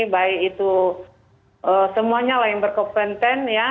baik itu semuanya lah yang berkepenten ya